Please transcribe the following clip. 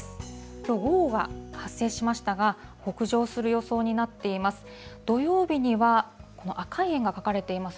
きょう、５号が発生しましたが、北上する予想になっています。